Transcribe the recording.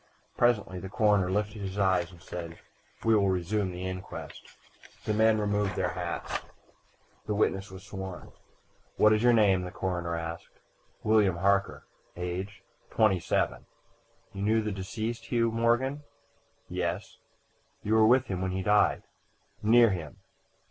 Presently the coroner lifted his eyes and said: "We will resume the inquest." The men removed their hats. The witness was sworn. "What is your name?" the coroner asked. "William Harker." "Age?" "Twenty seven." "You knew the deceased, Hugh Morgan?" "Yes." "You were with him when he died?" "Near him."